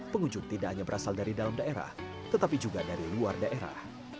pengunjung tidak hanya berasal dari dalam daerah tetapi juga dari luar daerah